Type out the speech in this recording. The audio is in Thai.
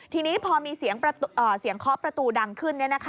ทีนี้พอมีเสียงเคาะประตูดังขึ้น